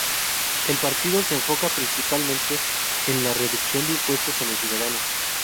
El partido se enfoca principalmente en la reducción de impuestos a los ciudadanos.